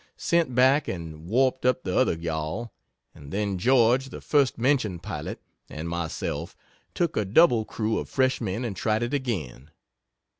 Sent back and warped up the other yawl, and then George (the first mentioned pilot,) and myself, took a double crew of fresh men and tried it again.